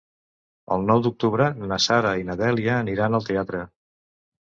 El nou d'octubre na Sara i na Dèlia aniran al teatre.